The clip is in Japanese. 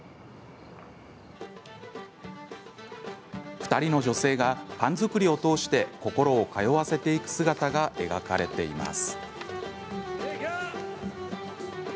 ２人の女性がパン作りを通して心を通わせていく姿が描かれています。